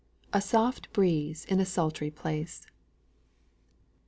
SOFT BREEZE IN A SULTRY PLACE.